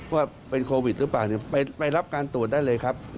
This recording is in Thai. ว่าเป็นโควิดหรือเปล่าไปรับการตรวจได้เลยครับ